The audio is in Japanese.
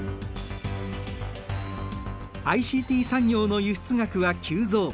ＩＣＴ産業の輸出額は急増。